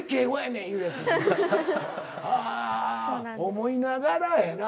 思いながらやな。